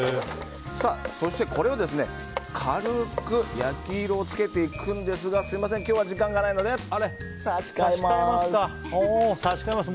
そして、これを軽く焼き色を付けていくんですがすみません、今日は時間がないので差し替えます。